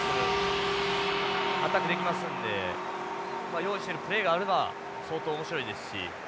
アタックできますので用意しているプレーがあれば相当面白いですし。